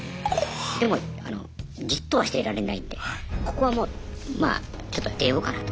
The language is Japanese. でもあのじっとはしていられないんでここはもうまあちょっと出ようかなと。